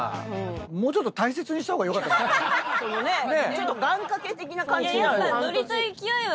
ちょっと願掛け的な感じ。